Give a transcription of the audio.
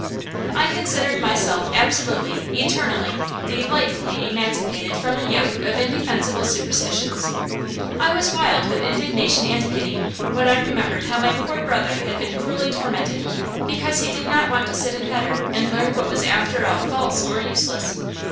I considered myself absolutely, eternally, delightfully emancipated from the yoke of indefensible superstitions. I was wild with indignation and pity when I remembered how my poor brother had been cruelly tormented because he did not want to sit in heder and learn what was after all false or useless.